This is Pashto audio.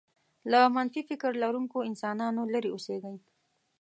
له منفي فکر لرونکو انسانانو لرې اوسېږئ.